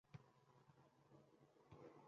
Darvozani amakivachchasining oʻzi ochdi.